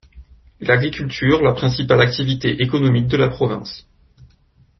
L'agriculture la principale activité économique de la province.